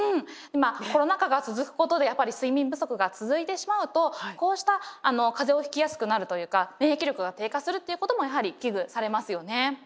コロナ禍が続くことでやっぱり睡眠不足が続いてしまうとこうした風邪をひきやすくなるというか免疫力が低下するっていうこともやはり危惧されますよね。